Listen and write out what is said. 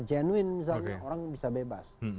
jenuin misalnya orang bisa bebas